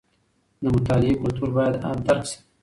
د مطالعې کلتور باید درک شي.